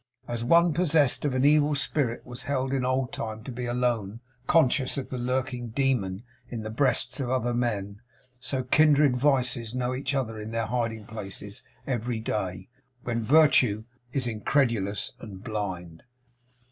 As one possessed of an evil spirit was held in old time to be alone conscious of the lurking demon in the breasts of other men, so kindred vices know each other in their hiding places every day, when Virtue is incredulous and blind.